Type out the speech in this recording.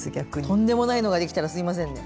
とんでもないのができたらすいませんね。